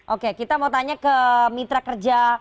oke kita mau tanya ke mitra kerja